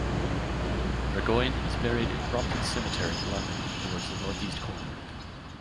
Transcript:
Burgoyne is buried in Brompton Cemetery, London towards the north-east corner.